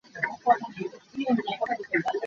Na chaiza a reng tuk i ka reng kho lo.